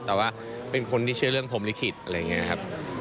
แต่ว่าเป็นคนที่เชื่อเรื่องพรมลิขิตอะไรอย่างนี้นะครับ